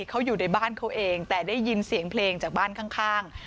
เขาอยู่ในบ้านเขาเองแต่ได้ยินเสียงเพลงจากบ้านข้าง